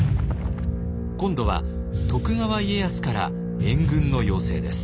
今度は徳川家康から援軍の要請です。